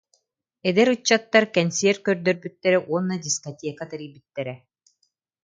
Эдэр ыччаттар кэнсиэр көрдөрбүттэрэ уонна дискотека тэрийбиттэрэ